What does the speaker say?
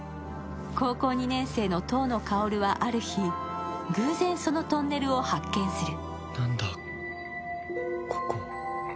高校２年生の塔野カオルはある日偶然、そのトンネルを発見する。